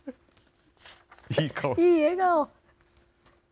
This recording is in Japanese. いい笑顔。